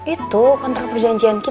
itu kontrol perjanjian kita kok gak ada